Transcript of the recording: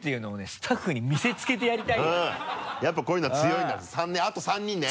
スタッフに見せつけてやりたいよやっぱこういうのは強いんだってあと３人ね。